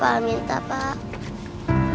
pak minta pak